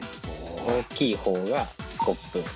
大きい方がスコップ。